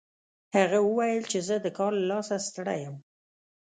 هغه وویل چې زه د کار له لاسه ستړی یم